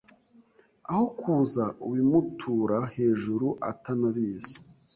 aho kuza ubimutura hejuru atanabizi